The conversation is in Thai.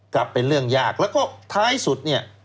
กลับเป็นเรื่องยากแล้วก็ท้ายสุดเนี่ย